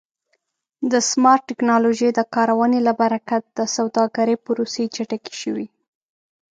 د سمارټ ټکنالوژۍ د کارونې له برکت د سوداګرۍ پروسې چټکې شوې.